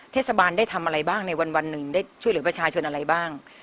เทศบาลได้ทำอะไรบ้างในวันหนึ่งได้ช่วยเหลือประชาชนอะไรบ้าง